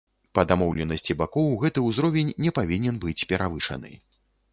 Па дамоўленасці бакоў, гэты ўзровень не павінен быць перавышаны.